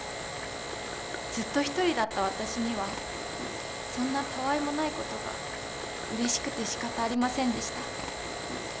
ずっと１人だった私にはそんなたわいもない事がうれしくてしかたありませんでした。